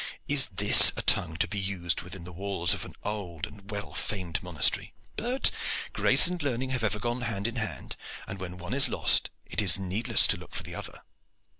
"Is this a tongue to be used within the walls of an old and well famed monastery? But grace and learning have ever gone hand in hand, and when one is lost it is needless to look for the other."